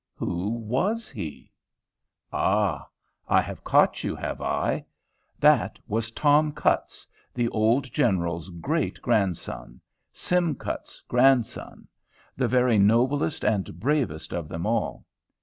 Who was he? Ah! I have caught you, have I? That was Tom Cutts, the old General's great grandson, Sim Cutts's grandson, the very noblest and bravest of them all.